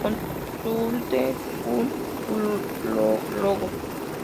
Consulte un urólogo.